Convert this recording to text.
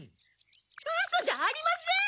ウソじゃありません！